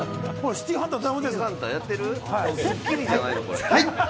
『スッキリ』じゃないの、これ？